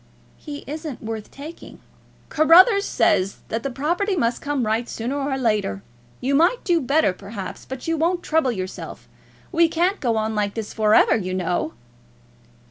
"He isn't worth taking." "Carruthers says that the property must come right, sooner or later. You might do better, perhaps, but you won't trouble yourself. We can't go on like this for ever, you know."